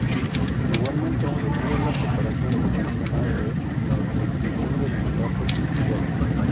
Igualmente prohibía la separación convencional de hecho, exigiendo el mandato judicial.